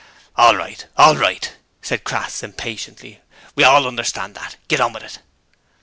'All right, all right,' said Crass, impatiently, 'we all understand that. Git on with it.'